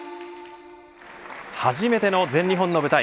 初めての全日本の舞台。